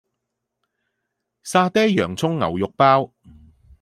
沙爹洋蔥牛肉包